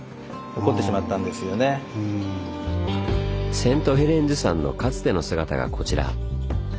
セントヘレンズ山のかつての姿がこちら。